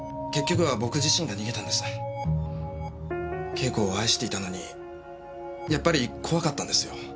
慶子を愛していたのにやっぱり怖かったんですよ。